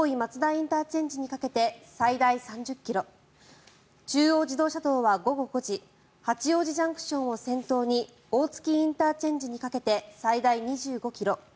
ＩＣにかけて最大３０ｋｍ中央自動車道は午後５時八王子ＪＣＴを先頭に大月ＩＣにかけて最大２５ｋｍ。